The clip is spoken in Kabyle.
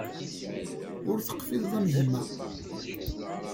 Ur teqfizeḍ am gma-m.